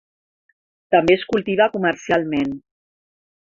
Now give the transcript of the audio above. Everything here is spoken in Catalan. També es cultiva comercialment.